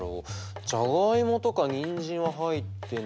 じゃがいもとかにんじんは入ってないし。